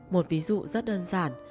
một ví dụ rất đơn giản